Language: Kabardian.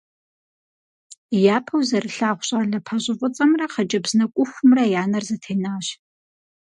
Япэу зэрылъагъу щӏалэ пащӏэфӏыцӏэмрэ хъыджэбз нэкӏухумрэ я нэр зэтенащ.